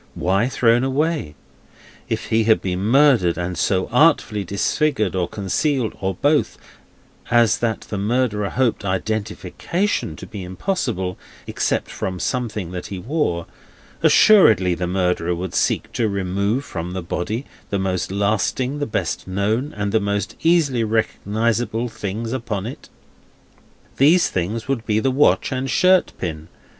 Why thrown away? If he had been murdered, and so artfully disfigured, or concealed, or both, as that the murderer hoped identification to be impossible, except from something that he wore, assuredly the murderer would seek to remove from the body the most lasting, the best known, and the most easily recognisable, things upon it. Those things would be the watch and shirt pin.